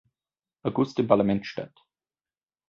August im Parlament statt.